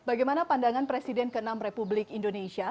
bagaimana pandangan presiden ke enam republik indonesia